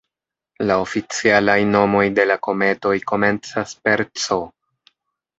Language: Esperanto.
La oficialaj nomoj de la kometoj komencas per "C".